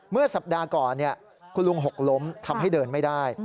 เมื่อสัปดาห์ก่อนคุณลุงหกล้มทำให้เดินไม่ได้